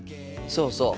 そうそう。